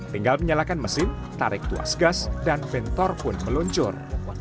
tinggal menyalakan mesin tarik tuas gas dan bentor pun meluncur